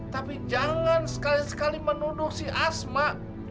tapi jangan sekali sekali menuduh si asma